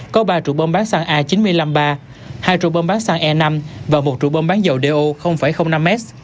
có ba trụ bơm bán xăng a chín mươi năm ba hai trụ bơm bán xăng e năm và một trụ bơm bán dầu do năm m